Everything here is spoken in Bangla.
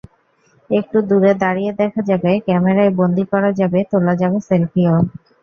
একটু দূরে দাঁড়িয়ে দেখা যাবে, ক্যামেরায় বন্দী করা যাবে, তোলা যাবে সেলফিও।